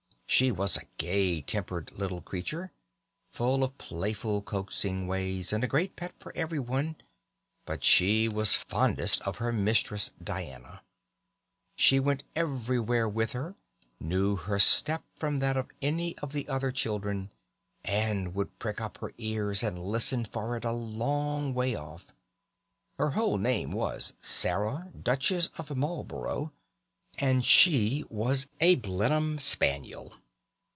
She was a gay tempered little creature, full of playful coaxing ways, and a great pet with everyone; but she was fondest of her mistress, Diana. She went everywhere with her, knew her step from that of any of the other children, and would prick up her ears and listen for it a long way off. Her whole name was "Sarah, Duchess of Marlborough", and she was a Blenheim spaniel.